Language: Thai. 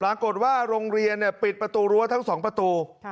ปรากฏว่าโรงเรียนปิดประตูรั้วทั้ง๒ประตู